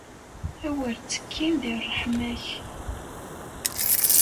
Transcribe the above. Awer ttekkin di ṛṛeḥma-k.